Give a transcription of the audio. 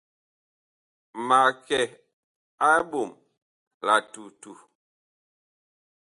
Mag kɛ a eɓom la tutu.